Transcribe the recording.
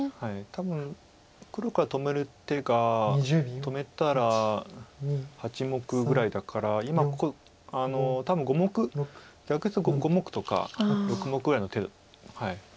多分黒から止める手が止めたら８目ぐらいだから今多分５目逆ヨセ５目とか６目ぐらいの手。